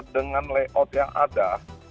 dengan layout yang ada